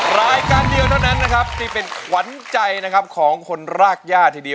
รายการเดียวเท่านั้นนะครับที่เป็นขวัญใจนะครับของคนรากย่าทีเดียว